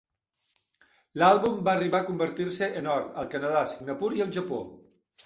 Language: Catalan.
L'àlbum va arribar a convertir-se en or al Canadà, Singapur i el Japó.